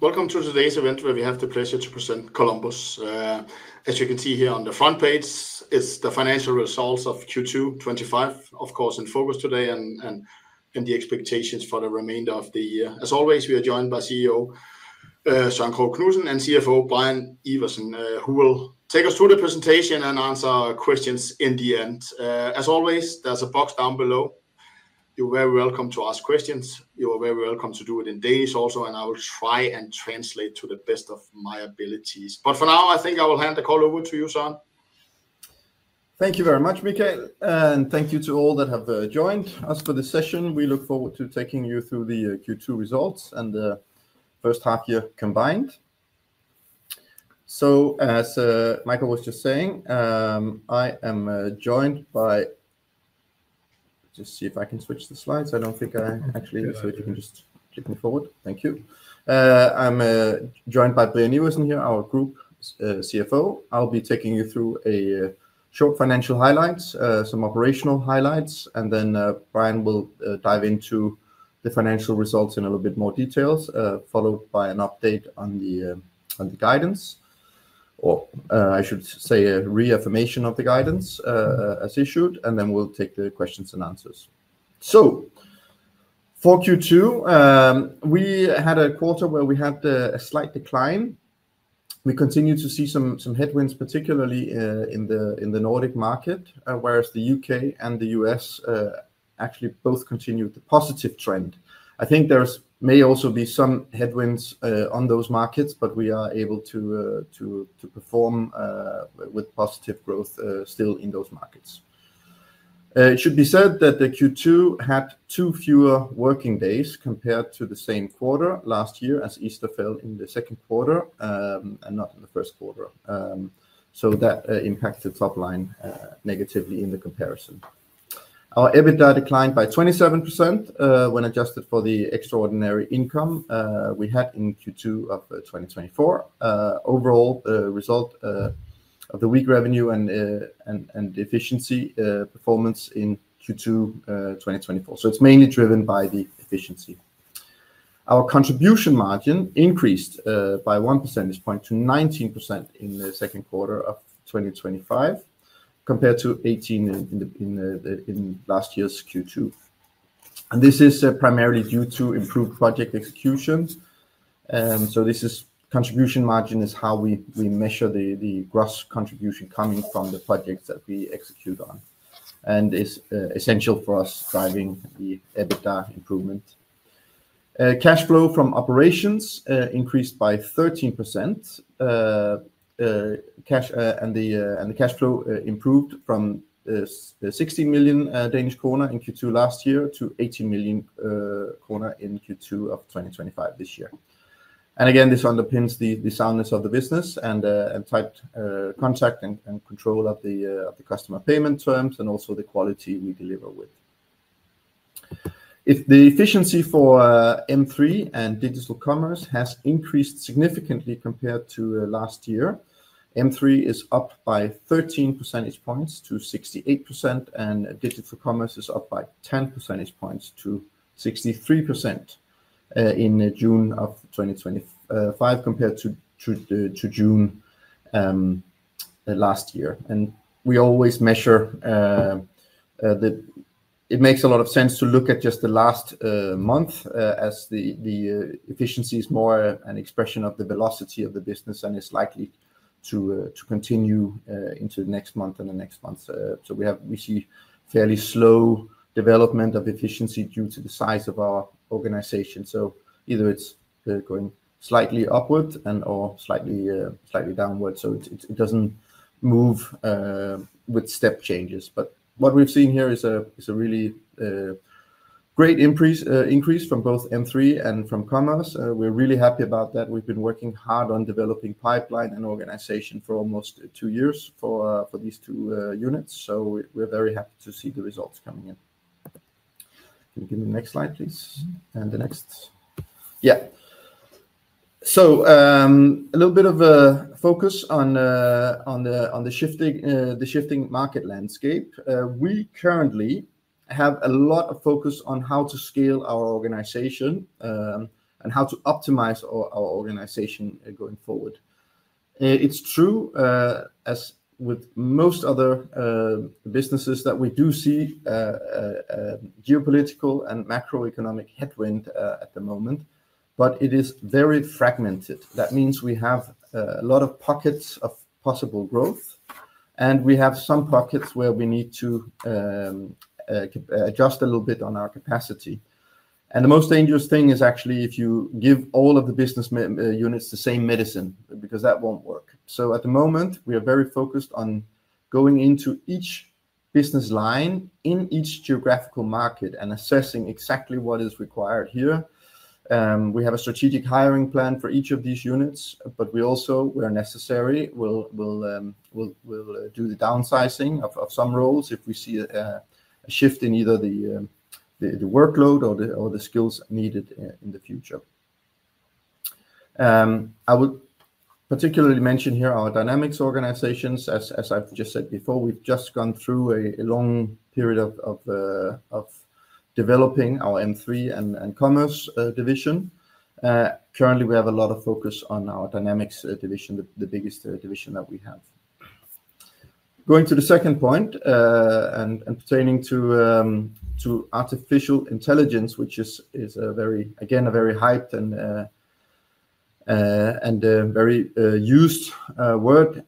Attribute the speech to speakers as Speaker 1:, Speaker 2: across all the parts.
Speaker 1: Welcome to today's event where we have the pleasure to present Columbus. As you can see here on the front page, it's the financial results of Q2 2025, of course, in focus today, and the expectations for the remainder of the year. As always, we are joined by CEO Søren Krogh Knudsen and CFO Brian Iversen, who will take us through the presentation and answer questions in the end. As always, there's a box down below. You're very welcome to ask questions. You are very welcome to do it in Danish also, and I will try and translate to the best of my abilities. For now, I think I will hand the call over to you, Søren.
Speaker 2: Thank you very much, Michael, and thank you to all that have joined us for this session. We look forward to taking you through the Q2 results and the first half year combined. As Michael was just saying, I am joined by Brian Iversen here, our Group CFO. I'll be taking you through a short financial highlight, some operational highlights, and then Brian will dive into the financial results in a little bit more detail, followed by an update on the guidance, or I should say a reaffirmation of the guidance as issued, and then we'll take the questions and answers. For Q2, we had a quarter where we had a slight decline. We continue to see some headwinds, particularly in the Nordic market, whereas the U.K. and the U.S. actually both continue the positive trend. I think there may also be some headwinds on those markets, but we are able to perform with positive growth still in those markets. It should be said that Q2 had two fewer working days compared to the same quarter last year, as Easter fell in the second quarter and not in the first quarter. That impacted the top line negatively in the comparison. Our EBITDA declined by 27% when adjusted for the extraordinary income we had in Q2 of 2024. Overall, result of the weak revenue and efficiency performance in Q2 2024. It's mainly driven by the efficiency. Our contribution margin increased by 1%, this point to 19% in the second quarter of 2025, compared to 18% in last year's Q2. This is primarily due to improved project execution. This contribution margin is how we measure the gross contribution coming from the projects that we execute on. It's essential for us driving the EBITDA improvement. Cash flow from operations increased by 13%. The cash flow improved from 16 million Danish kroner in Q2 last year to 18 million kroner in Q2 of 2025 this year. Again, this underpins the soundness of the business and tight contract and control of the customer payment terms and also the quality we deliver with. The efficiency for M3 and digital commerce has increased significantly compared to last year. M3 is up by 13 percentage points to 68%, and digital commerce is up by 10 percentage points to 63% in June of 2025 compared to June last year. We always measure that it makes a lot of sense to look at just the last month as the efficiency is more an expression of the velocity of the business and is likely to continue into the next month and the next month. We see fairly slow development of efficiency due to the size of our organization. Either it's going slightly upwards and/or slightly downwards. It doesn't move with step changes. What we've seen here is a really great increase from both M3 and from digital commerce. We're really happy about that. We've been working hard on developing pipeline and organization for almost two years for these two units. We're very happy to see the results coming in. Can you give me the next slide, please? And the next. Yeah. A little bit of a focus on the shifting market landscape. We currently have a lot of focus on how to scale our organization and how to optimize our organization going forward. It's true, as with most other businesses, that we do see a geopolitical and macroeconomic headwind at the moment, but it is very fragmented. That means we have a lot of pockets of possible growth, and we have some pockets where we need to adjust a little bit on our capacity. The most dangerous thing is actually if you give all of the business units the same medicine, because that won't work. At the moment, we are very focused on going into each business line in each geographical market and assessing exactly what is required here. We have a strategic hiring plan for each of these units, but we also, where necessary, will do the downsizing of some roles if we see a shift in either the workload or the skills needed in the future. I would particularly mention here our Dynamics organizations. As I've just said before, we've just gone through a long period of developing our M3 and digital commerce division. Currently, we have a lot of focus on our Dynamics division, the biggest division that we have. Going to the second point and pertaining to artificial intelligence, which is a very, again, a very hyped and very used word,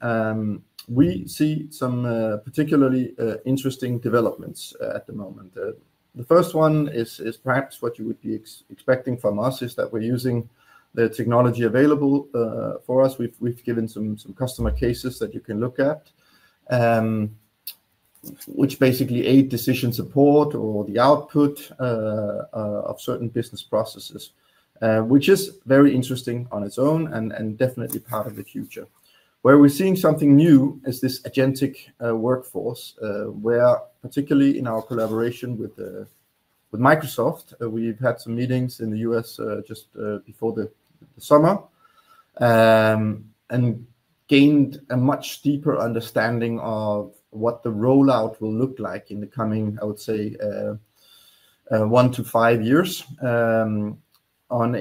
Speaker 2: we see some particularly interesting developments at the moment. The first one is perhaps what you would be expecting from us is that we're using the technology available for us. We've given some customer cases that you can look at, which basically aid decision support or the output of certain business processes, which is very interesting on its own and definitely part of the future. Where we're seeing something new is this agentic workforce, where particularly in our collaboration with Microsoft, we've had some meetings in the U.S. just before the summer and gained a much deeper understanding of what the rollout will look like in the coming, I would say, one to five years on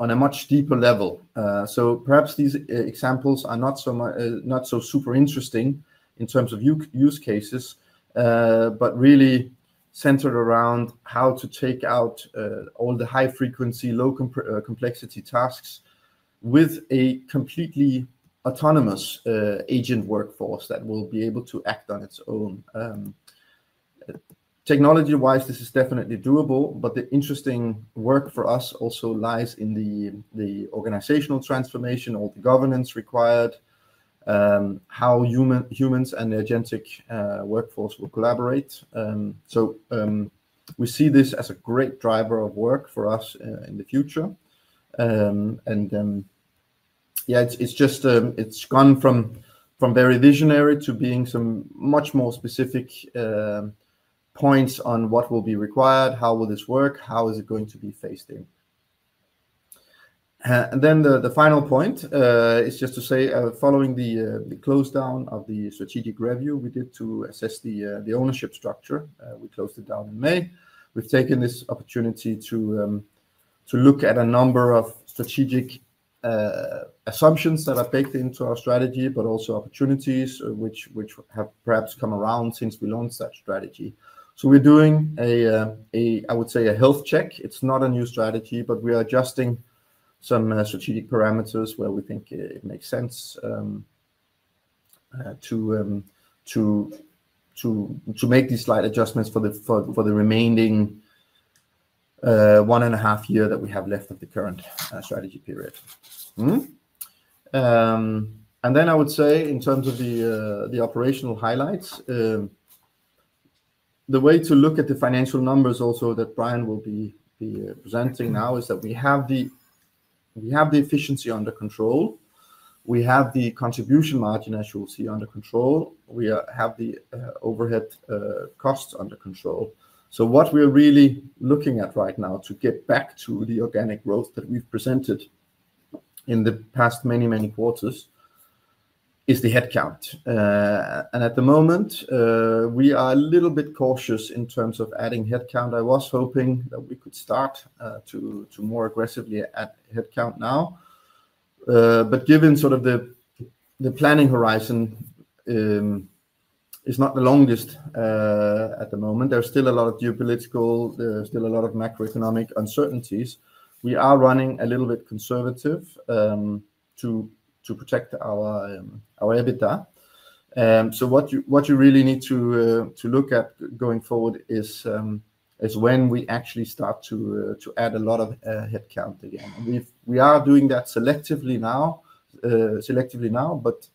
Speaker 2: a much deeper level. Perhaps these examples are not so super interesting in terms of use cases, but really centered around how to take out all the high-frequency, low-complexity tasks with a completely autonomous agent workforce that will be able to act on its own. Technology-wise, this is definitely doable, but the interesting work for us also lies in the organizational transformation, all the governance required, how humans and the agentic workforce will collaborate. We see this as a great driver of work for us in the future. It's gone from very visionary to being some much more specific points on what will be required, how will this work, how is it going to be phased in. The final point is just to say, following the close down of the strategic review we did to assess the ownership structure, we closed it down in May. We've taken this opportunity to look at a number of strategic assumptions that are baked into our strategy, but also opportunities which have perhaps come around since we launched that strategy. We're doing a, I would say, a health check. It's not a new strategy, but we are adjusting some strategic parameters where we think it makes sense to make these slight adjustments for the remaining one and a half years that we have left at the current strategy period. I would say in terms of the operational highlights, the way to look at the financial numbers also that Brian will be presenting now is that we have the efficiency under control. We have the contribution margin as you'll see under control. We have the overhead costs under control. What we're really looking at right now to get back to the organic growth that we've presented in the past many, many quarters is the headcount. At the moment, we are a little bit cautious in terms of adding headcount. I was hoping that we could start to more aggressively add headcount now. Given the planning horizon is not the longest at the moment, there's still a lot of geopolitical, there's still a lot of macroeconomic uncertainties. We are running a little bit conservative to protect our EBITDA. What you really need to look at going forward is when we actually start to add a lot of headcount again. We are doing that selectively now, but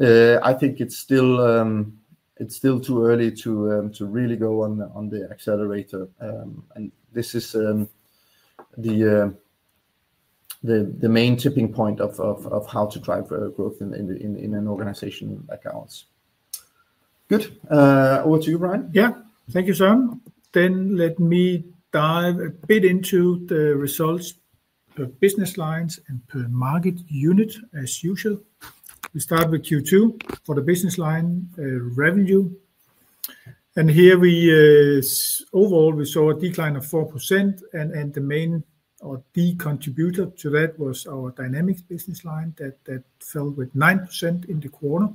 Speaker 2: I think it's still too early to really go on the accelerator. This is the main tipping point of how to drive growth in an organization like ours. Good. Over to you, Brian.
Speaker 3: Yeah. Thank you, Søren. Let me dive a bit into the results per business lines and per market unit as usual. We start with Q2 for the business line revenue. Overall, we saw a decline of 4%. The main contributor to that was our Dynamics business line that fell 9% in the quarter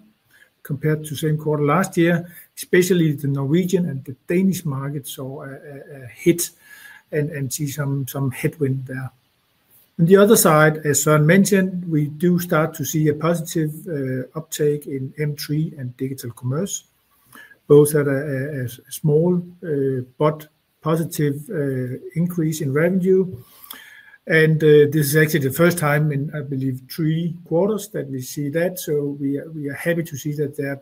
Speaker 3: compared to the same quarter last year, especially the Norwegian and the Danish market saw a hit and see some headwind there. On the other side, as Søren mentioned, we do start to see a positive uptake in M3 and digital commerce, both at a small but positive increase in revenue. This is actually the first time in, I believe, three quarters that we see that. We are happy to see that their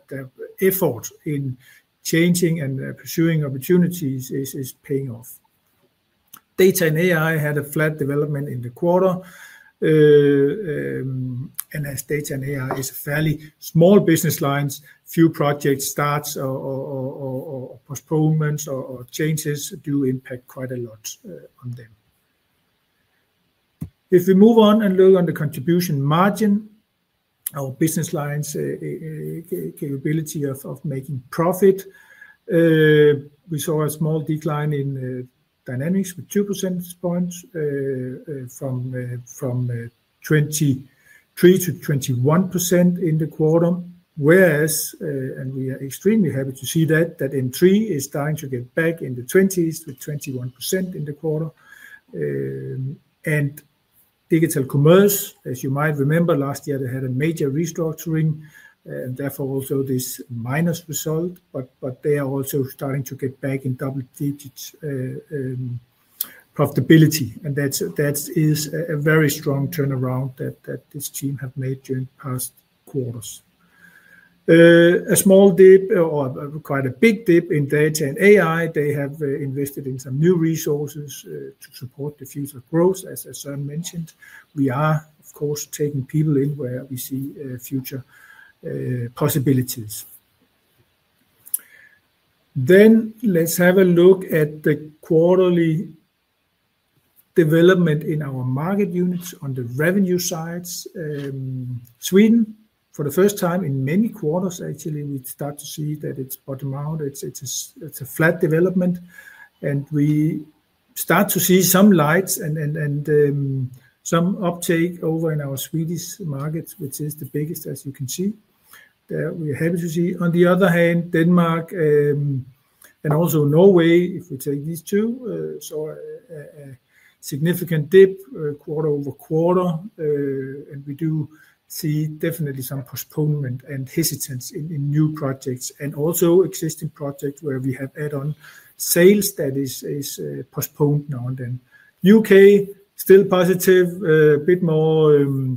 Speaker 3: effort in changing and pursuing opportunities is paying off. Data and AI had a flat development in the quarter. As data and AI is a fairly small business line, few project starts or postponements or changes do impact quite a lot on them. If we move on and look on the contribution margin, our business lines' capability of making profit, we saw a small decline in Dynamics with 2 percentage points from 23% to 21% in the quarter, whereas, and we are extremely happy to see that, M3 is starting to get back in the 20s with 21% in the quarter. Digital commerce, as you might remember, last year they had a major restructuring and therefore also this minus result, but they are also starting to get back in double-digit profitability. That is a very strong turnaround that this team has made during the past quarters. A small dip or quite a big dip in data and AI, they have invested in some new resources to support the future growth, as Søren mentioned. We are, of course, taking people in where we see future possibilities. Let's have a look at the quarterly development in our market units on the revenue sides. Sweden, for the first time in many quarters, actually, we start to see that it's bottom out. It's a flat development. We start to see some lights and some uptake over in our Swedish markets, which is the biggest, as you can see. We're happy to see. On the other hand, Denmark and also Norway, if we take these two, saw a significant dip quarter-over-quarter. We do see definitely some postponement and hesitance in new projects and also existing projects where we have add-on sales that is postponed now and then. U.K., still positive, a bit more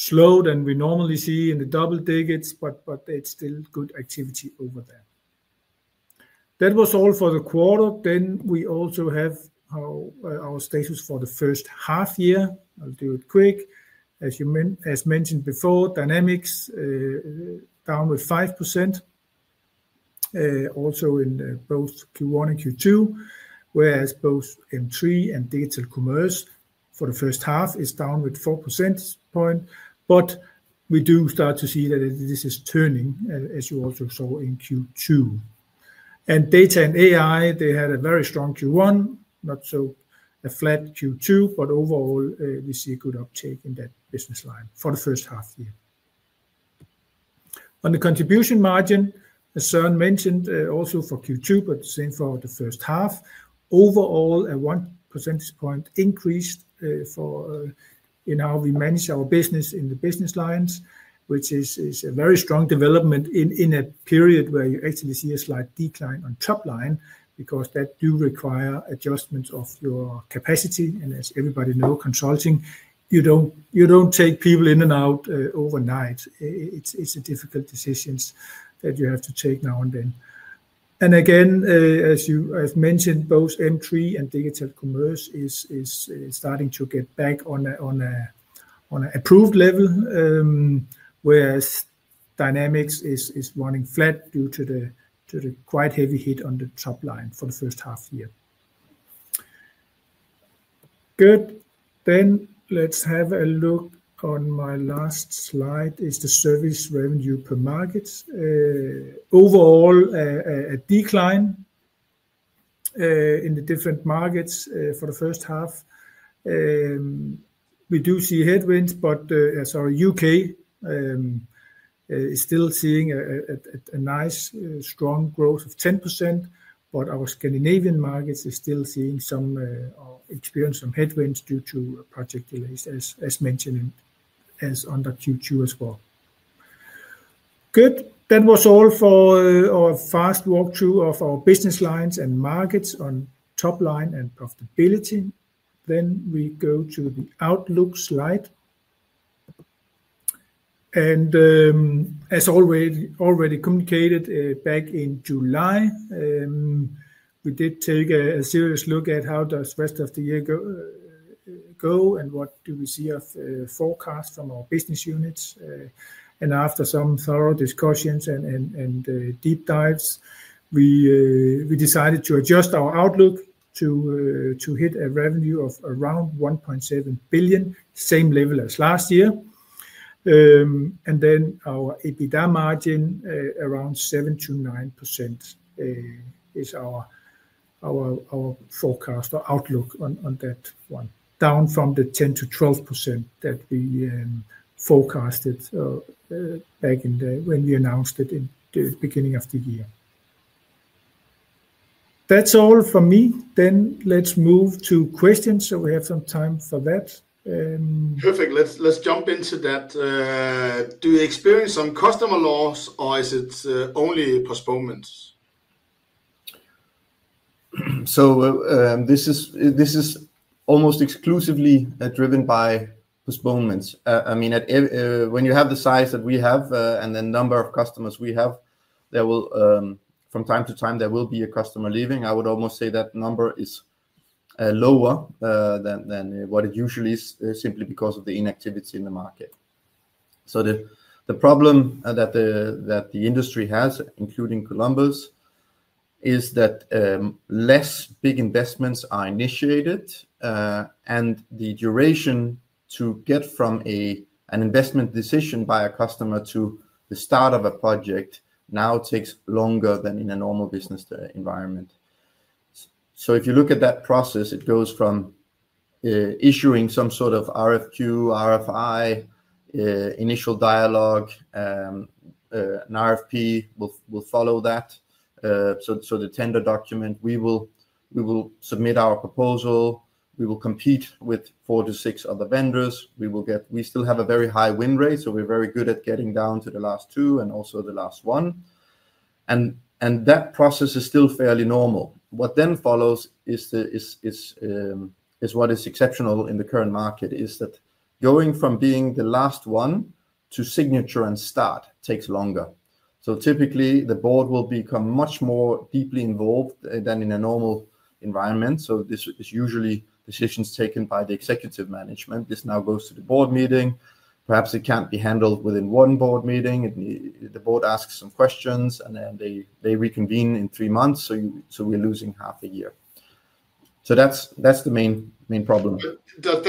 Speaker 3: slow than we normally see in the double digits, but it's still good activity over there. That was all for the quarter. We also have our status for the first half year. I'll do it quick. As you mentioned before, Dynamics down with 5% also in both Q1 and Q2, whereas both M3 and digital commerce for the first half is down with 4% point. We do start to see that this is turning, as you also saw in Q2. Data and AI, they had a very strong Q1, not so a flat Q2, but overall, we see a good uptake in that business line for the first half year. On the contribution margin, as Søren mentioned, also for Q2, but the same for the first half, overall, a 1% point increase in how we manage our business in the business lines, which is a very strong development in a period where you actually see a slight decline on top line because that do require adjustments of your capacity. As everybody knows, consulting, you don't take people in and out overnight. It's a difficult decision that you have to take now and then. As you have mentioned, both M3 and digital commerce is starting to get back on an approved level, whereas Dynamics is running flat due to the quite heavy hit on the top line for the first half year. Good. Let's have a look on my last slide, is the service revenue per market. Overall, a decline in the different markets for the first half. We do see headwinds, but as our U.K. is still seeing a nice strong growth of 10%, our Scandinavian markets are still seeing some or experiencing some headwinds due to project delays, as mentioned in as under Q2 as well. Good. That was all for our fast walkthrough of our business lines and markets on top line and profitability. We go to the outlook slide. As already communicated back in July, we did take a serious look at how does the rest of the year go and what do we see as a forecast from our business units. After some thorough discussions and deep dives, we decided to adjust our outlook to hit a revenue of around $1.7 billion, same level as last year. Our EBITDA margin around 7%-9% is our forecast or outlook on that one, down from the 10%-12% that we forecasted back when we announced it in the beginning of the year. That's all for me. Let's move to questions so we have some time for that.
Speaker 1: Perfect. Let's jump into that. Do you experience some customer loss or is it only postponements?
Speaker 2: This is almost exclusively driven by postponements. When you have the size that we have and the number of customers we have, from time to time, there will be a customer leaving. I would almost say that number is lower than what it usually is simply because of the inactivity in the market. The problem that the industry has, including Columbus, is that fewer big investments are initiated, and the duration to get from an investment decision by a customer to the start of a project now takes longer than in a normal business environment. If you look at that process, it goes from issuing some sort of RFQ, RFI, initial dialogue, an RFP will follow that. The tender document, we will submit our proposal. We will compete with four to six other vendors. We still have a very high win rate, so we're very good at getting down to the last two and also the last one. That process is still fairly normal. What then follows is what is exceptional in the current market, which is that going from being the last one to signature and start takes longer. Typically, the board will become much more deeply involved than in a normal environment. This is usually decisions taken by the executive management. This now goes to the board meeting. Perhaps it can't be handled within one board meeting. The board asks some questions, and then they reconvene in three months. We're losing half a year. That's the main problem.
Speaker 1: Does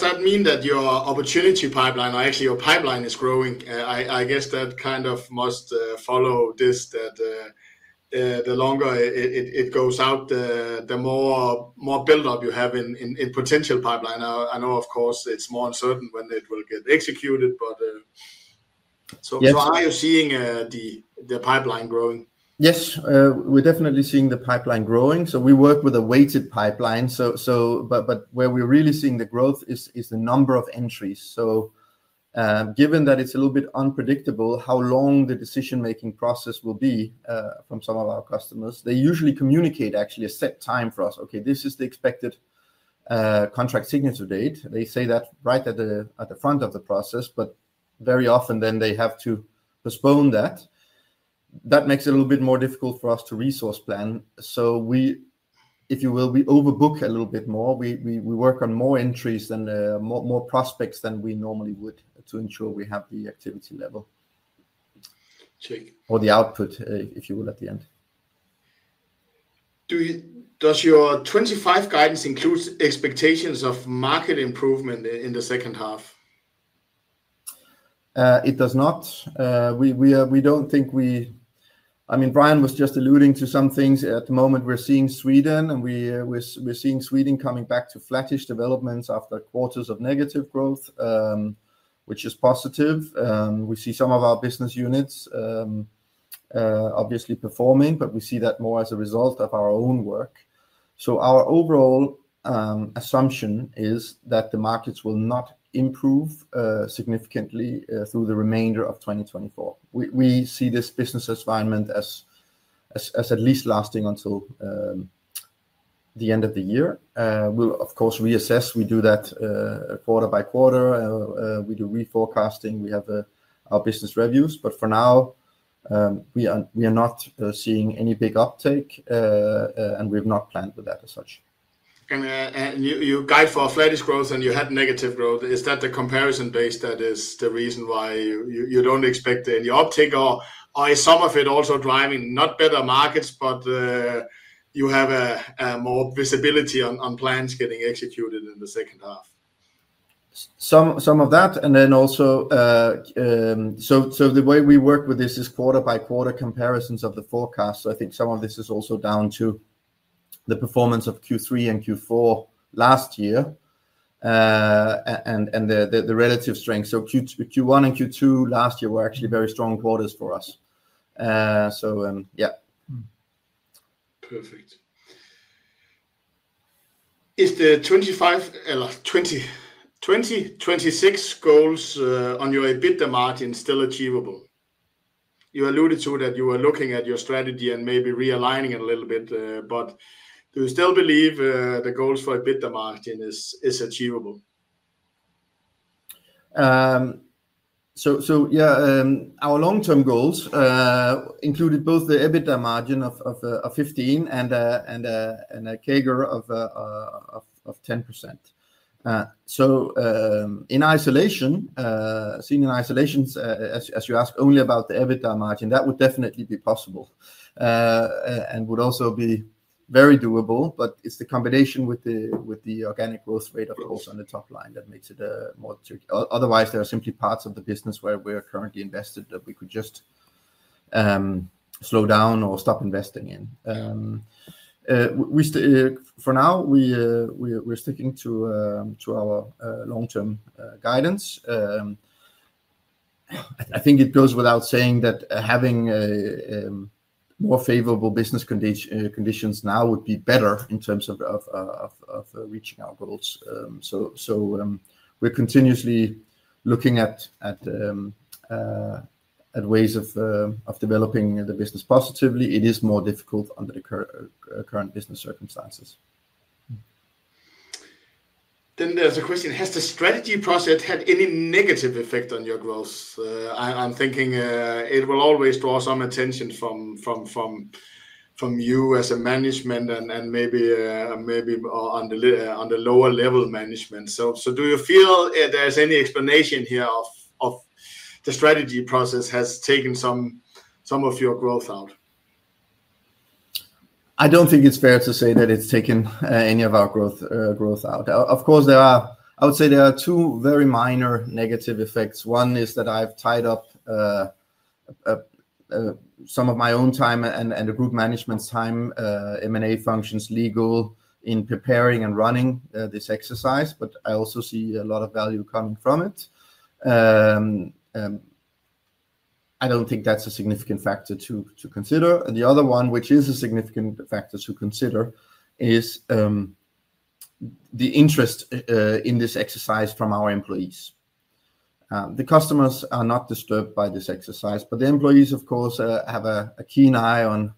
Speaker 1: that mean that your opportunity pipeline, or actually your pipeline, is growing? I guess that kind of must follow this, that the longer it goes out, the more buildup you have in potential pipeline. I know, of course, it's more uncertain when it will get executed, but so far you're seeing the pipeline growing.
Speaker 2: Yes. We're definitely seeing the pipeline growing. We work with a weighted pipeline, but where we're really seeing the growth is the number of entries. Given that it's a little bit unpredictable how long the decision-making process will be from some of our customers, they usually communicate actually a set time for us. Okay, this is the expected contract signature date. They say that right at the front of the process, but very often they have to postpone that. That makes it a little bit more difficult for us to resource plan. If you will, we overbook a little bit more. We work on more entries and more prospects than we normally would to ensure we have the activity level or the output, if you will, at the end.
Speaker 1: Does your 2025 guidance include expectations of market improvement in the second half?
Speaker 2: It does not. We don't think we, I mean, Brian was just alluding to some things. At the moment, we're seeing Sweden, and we're seeing Sweden coming back to flattish developments after quarters of negative growth, which is positive. We see some of our business units obviously performing, but we see that more as a result of our own work. Our overall assumption is that the markets will not improve significantly through the remainder of 2024. We see this business environment as at least lasting until the end of the year. Of course, we reassess. We do that quarter by quarter. We do reforecasting. We have our business reviews. For now, we are not seeing any big uptake, and we've not planned with that as such.
Speaker 1: Your guide for flatish growth, and you had negative growth, is that the comparison base that is the reason why you don't expect any uptake? Is some of it also driving not better markets, but you have more visibility on plans getting executed in the second half?
Speaker 2: Some of that, and then also, the way we work with this is quarter by quarter comparisons of the forecast. I think some of this is also down to the performance of Q3 and Q4 last year and the relative strength. Q1 and Q2 last year were actually very strong quarters for us. Yeah.
Speaker 1: Perfect. Is the 2025, 2026 goals on your EBITDA margin still achievable? You alluded to that you were looking at your strategy and maybe realigning it a little bit, but do you still believe the goals for EBITDA margin is achievable?
Speaker 2: Our long-term goals included both the EBITDA margin of 15% and a CAGR of 10%. In isolation, as you ask only about the EBITDA margin, that would definitely be possible and would also be very doable, but it's the combination with the organic growth rate also on the top line that makes it more tricky. Otherwise, there are simply parts of the business where we're currently invested that we could just slow down or stop investing in. For now, we're sticking to our long-term guidance. I think it goes without saying that having more favorable business conditions now would be better in terms of reaching our goals. We're continuously looking at ways of developing the business positively. It is more difficult under the current business circumstances.
Speaker 1: Has the strategy process had any negative effect on your growth? I'm thinking it will always draw some attention from you as management and maybe on the lower-level management. Do you feel there's any explanation here if the strategy process has taken some of your growth out?
Speaker 2: I don't think it's fair to say that it's taken any of our growth out. Of course, I would say there are two very minor negative effects. One is that I've tied up some of my own time and the group management's time, M&A functions, legal in preparing and running this exercise, but I also see a lot of value coming from it. I don't think that's a significant factor to consider. The other one, which is a significant factor to consider, is the interest in this exercise from our employees. The customers are not disturbed by this exercise, but the employees, of course, have a keen eye on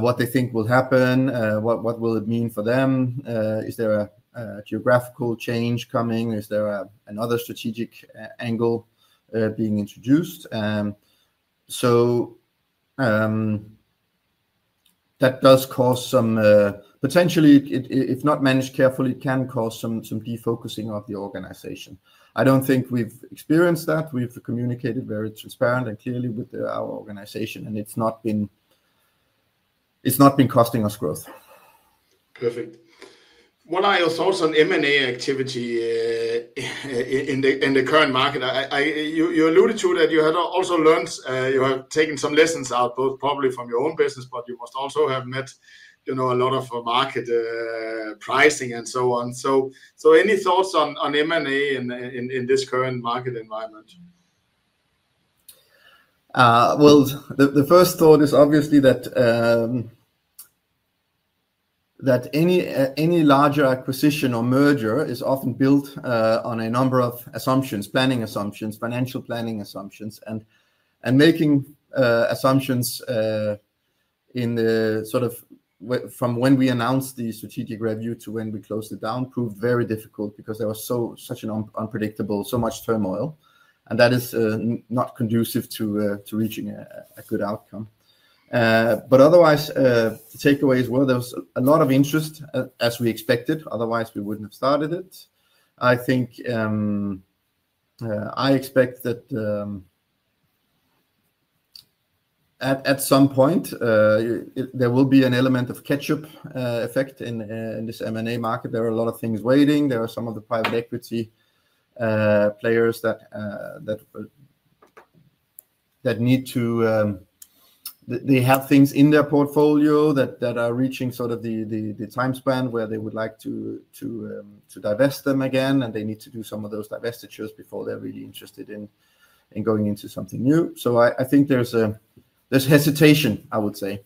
Speaker 2: what they think will happen. What will it mean for them? Is there a geographical change coming? Is there another strategic angle being introduced? That does cause some, potentially, if not managed carefully, it can cause some defocusing of the organization. I don't think we've experienced that. We've communicated very transparently and clearly with our organization, and it's not been costing us growth.
Speaker 1: Perfect. One of your thoughts on M&A activity in the current market, you alluded to that you had also learned, you had taken some lessons out, probably from your own business, but you must also have met a lot of market pricing and so on. Any thoughts on M&A in this current market environment?
Speaker 2: The first thought is obviously that any larger acquisition or merger is often built on a number of assumptions, planning assumptions, financial planning assumptions, and making assumptions from when we announced the strategic review to when we closed it down proved very difficult because there was such an unpredictable, so much turmoil, and that is not conducive to reaching a good outcome. Otherwise, the takeaway is there was a lot of interest, as we expected. Otherwise, we wouldn't have started it. I think I expect that at some point, there will be an element of ketchup effect in this M&A market. There are a lot of things waiting. There are some of the private equity players that need to, they have things in their portfolio that are reaching the time span where they would like to divest them again, and they need to do some of those divestitures before they're really interested in going into something new. I think there's hesitation, I would say.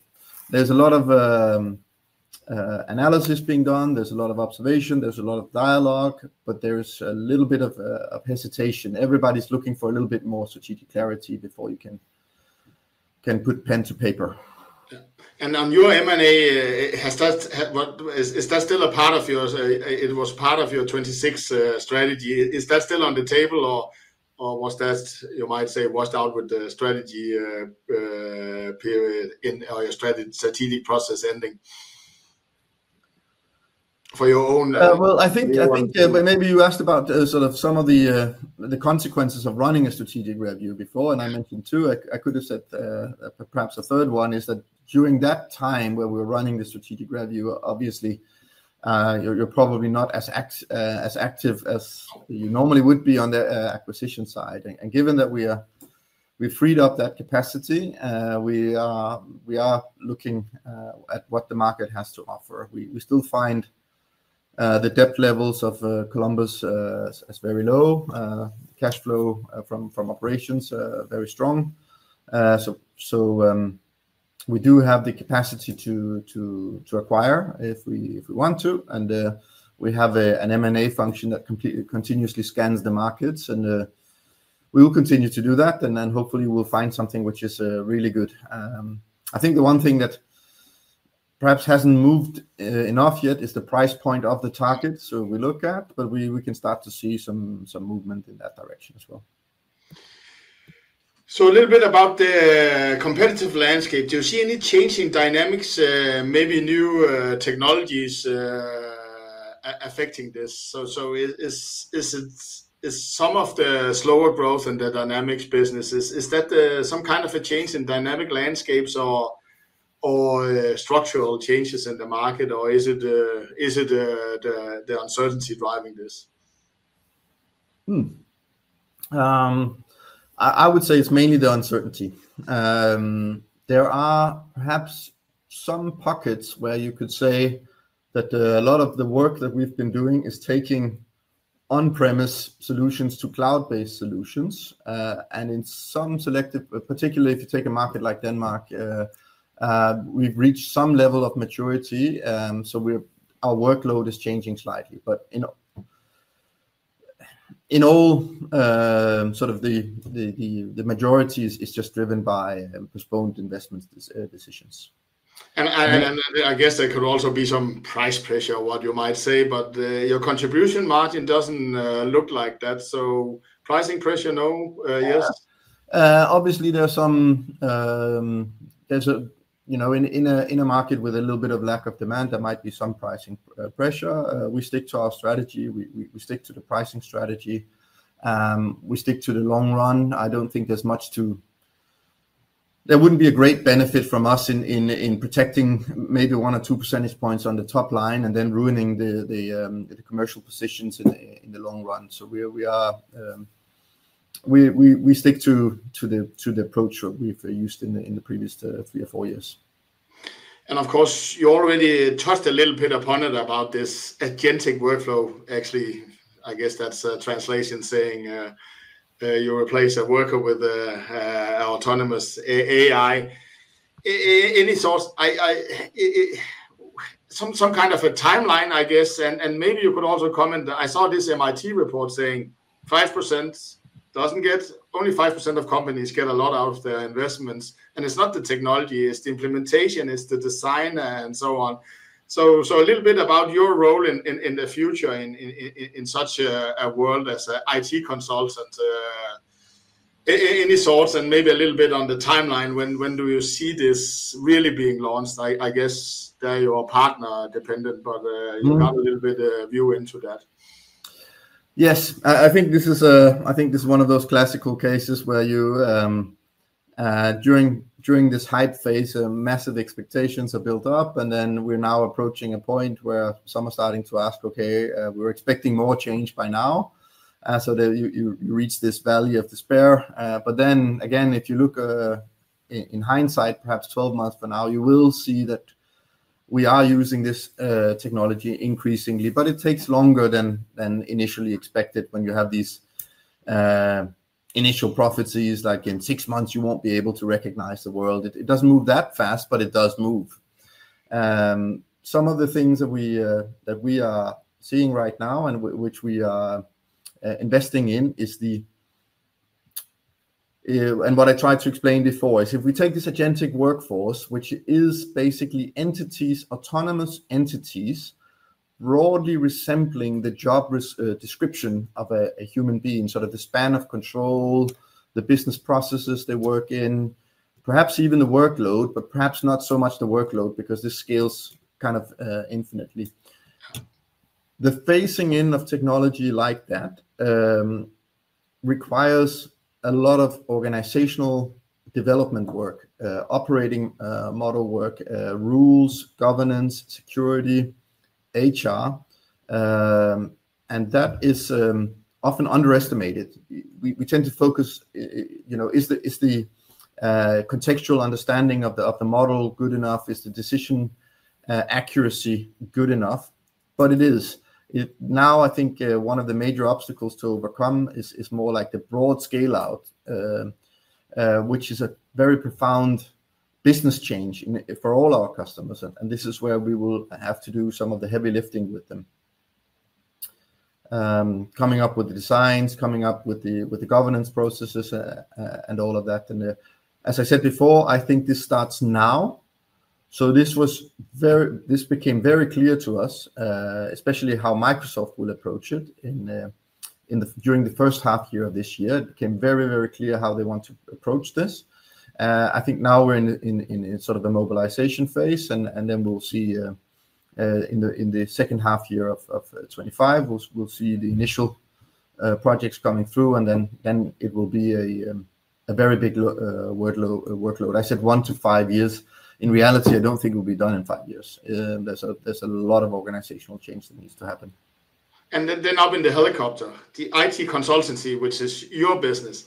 Speaker 2: There's a lot of analysis being done. There's a lot of observation. There's a lot of dialogue, but there's a little bit of hesitation. Everybody's looking for a little bit more strategic clarity before you can put pen to paper.
Speaker 1: Is your M&A still a part of your, it was part of your 2026 strategy, is that still on the table or was that, you might say, washed out with the strategy period in your strategic process ending for your own?
Speaker 2: I think maybe you asked about sort of some of the consequences of running a strategic review before, and I mentioned two. I could have said perhaps a third one is that during that time where we're running the strategic review, obviously, you're probably not as active as you normally would be on the acquisition side. Given that we freed up that capacity, we are looking at what the market has to offer. We still find the debt levels of Columbus as very low, cash flow from operations very strong. We do have the capacity to acquire if we want to. We have an M&A function that continuously scans the markets, and we will continue to do that. Hopefully, we'll find something which is really good. I think the one thing that perhaps hasn't moved enough yet is the price point of the targets we look at, but we can start to see some movement in that direction as well.
Speaker 1: A little bit about the competitive landscape. Do you see any change in Dynamics, maybe new technologies affecting this? Is some of the slower growth in the Dynamics business some kind of a change in dynamic landscapes or structural changes in the market, or is it the uncertainty driving this?
Speaker 2: I would say it's mainly the uncertainty. There are perhaps some pockets where you could say that a lot of the work that we've been doing is taking on-premise solutions to cloud-based solutions. In some selective, particularly if you take a market like Denmark, we've reached some level of maturity. Our workload is changing slightly. In all, the majority is just driven by postponed investment decisions.
Speaker 1: I guess there could also be some price pressure, what you might say, but your contribution margin doesn't look like that. Pricing pressure, no, yes?
Speaker 2: Obviously, in a market with a little bit of lack of demand, there might be some pricing pressure. We stick to our strategy. We stick to the pricing strategy. We stick to the long run. I don't think there's much to, there wouldn't be a great benefit from us in protecting maybe 1 or 2 percentage points on the top line and then ruining the commercial positions in the long run. We stick to the approach that we've used in the previous 3 or 4 years.
Speaker 1: Of course, you already touched a little bit upon it about this agentic workforce. Actually, I guess that's a translation saying you replace a worker with an autonomous AI. Any thoughts? Some kind of a timeline, I guess. Maybe you could also comment that I saw this MIT report saying 5% doesn't get, only 5% of companies get a lot out of their investments. It's not the technology. It's the implementation. It's the design and so on. A little bit about your role in the future in such a world as an IT consultant. Any thoughts and maybe a little bit on the timeline? When do you see this really being launched? I guess they are partner-dependent, but you got a little bit of view into that.
Speaker 2: Yes. I think this is one of those classical cases where you, during this hype phase, massive expectations are built up. Then we're now approaching a point where some are starting to ask, okay, we're expecting more change by now. You reach this valley of despair. If you look in hindsight, perhaps 12 months from now, you will see that we are using this technology increasingly, but it takes longer than initially expected. When you have these initial prophecies, like in six months, you won't be able to recognize the world. It doesn't move that fast, but it does move. Some of the things that we are seeing right now and which we are investing in is the, and what I tried to explain before is if we take this agentic workforce, which is basically autonomous entities broadly resembling the job description of a human being, sort of the span of control, the business processes they work in, perhaps even the workload, but perhaps not so much the workload because this scales kind of infinitely. The phasing in of technology like that requires a lot of organizational development work, operating model work, rules, governance, security, HR, and that is often underestimated. We tend to focus, you know, is the contextual understanding of the model good enough? Is the decision accuracy good enough? It is. Now, I think one of the major obstacles to overcome is more like the broad scale-out, which is a very profound business change for all our customers. This is where we will have to do some of the heavy lifting with them, coming up with the designs, coming up with the governance processes, and all of that. As I said before, I think this starts now. This became very clear to us, especially how Microsoft will approach it during the first half here of this year. It became very, very clear how they want to approach this. I think now we're in sort of a mobilization phase, and then we'll see in the second half here of 2025, we'll see the initial projects coming through, and then it will be a very big workload. I said one to five years. In reality, I don't think we'll be done in five years. There's a lot of organizational change that needs to happen.
Speaker 1: Up in the helicopter, the IT consultancy, which is your business,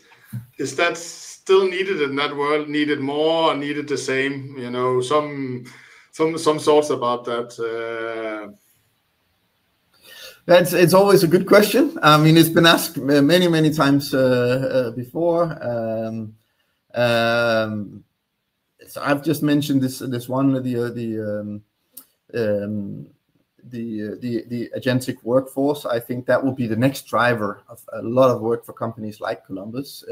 Speaker 1: is that still needed in that world, needed more or needed the same? Some thoughts about that.
Speaker 2: It's always a good question. I mean, it's been asked many, many times before. I've just mentioned this one, the agentic workforce. I think that will be the next driver of a lot of work for companies like Columbus.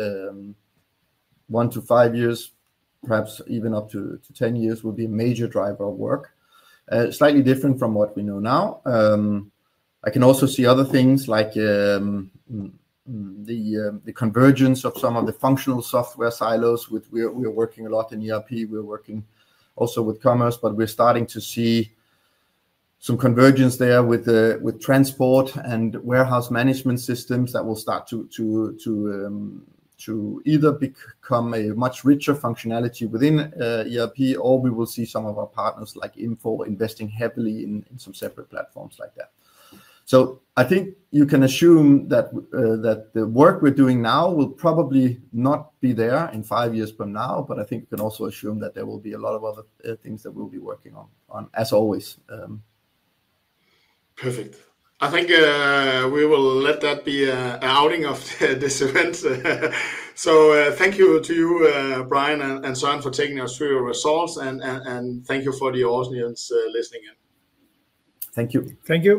Speaker 2: One to five years, perhaps even up to 10 years, will be a major driver of work, slightly different from what we know now. I can also see other things like the convergence of some of the functional software silos. We're working a lot in ERP. We're working also with digital commerce, but we're starting to see some convergence there with transport and warehouse management systems that will start to either become a much richer functionality within ERP, or we will see some of our partners like Infor investing heavily in some separate platforms like that. I think you can assume that the work we're doing now will probably not be there in five years from now, but I think you can also assume that there will be a lot of other things that we'll be working on, as always.
Speaker 1: Perfect. I think we will let that be an outing of this event. Thank you to you, Brian and Søren, for taking us through your results. Thank you for the audience listening in.
Speaker 2: Thank you.
Speaker 1: Thank you.